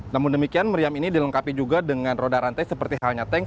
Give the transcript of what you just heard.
namun demikian meriam ini dilengkapi juga dengan roda rantai seperti halnya tank